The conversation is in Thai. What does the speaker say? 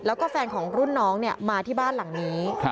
แล้วก็แฟนของรุ่นน้องมาที่บ้านหลังนี้